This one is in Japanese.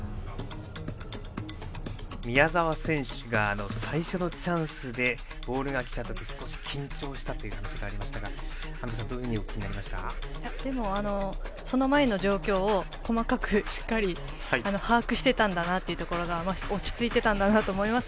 宮澤選手が最初のチャンスでボールが来た時少し緊張したという話がありましたが安藤さんどうお聞きになりましたか？でも、その前の状況を細かく、しっかり把握していたんだなというところが落ち着いていたんだなと思います。